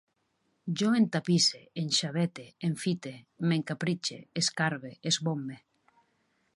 Jo entapisse, enxavete, enfite, m'encapritxe, escarbe, esbombe